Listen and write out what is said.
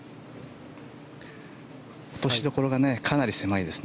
落としどころがかなり狭いです。